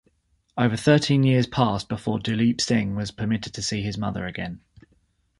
Over thirteen years passed before Duleep Singh was permitted to see his mother again.